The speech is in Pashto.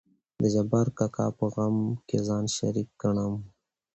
د جبار کاکا په غم کې ځان شريک ګنم.